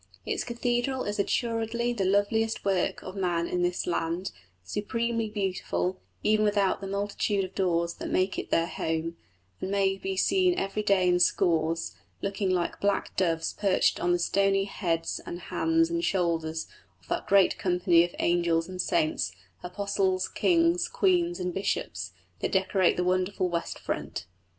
Its cathedral is assuredly the loveliest work of man in this land, supremely beautiful, even without the multitude of daws that make it their house, and may be seen every day in scores, looking like black doves perched on the stony heads and hands and shoulders of that great company of angels and saints, apostles, kings, queens, and bishops, that decorate the wonderful west front.